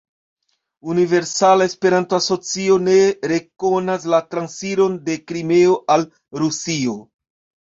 Universala Esperanto-Asocio ne rekonas la transiron de Krimeo al Rusio.